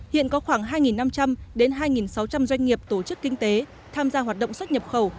hiện có khoảng hai năm trăm linh đến hai sáu trăm linh doanh nghiệp tổ chức kinh tế tham gia hoạt động xuất nhập khẩu